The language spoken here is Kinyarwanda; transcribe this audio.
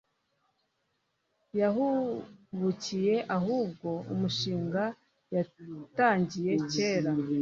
yahubukiye ahubwo umushinga yatangiye kera